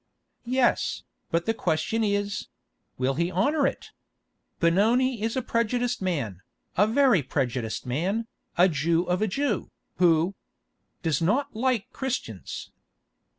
"Yes, but the question is—will he honour it? Benoni is a prejudiced man, a very prejudiced man, a Jew of the Jews, who—does not like Christians."